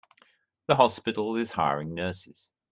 The hospital is hiring nurses.